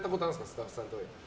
スタッフさんとかに。